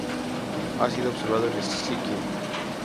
Ha sido observado en Sikkim.